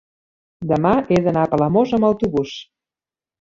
demà he d'anar a Palamós amb autobús.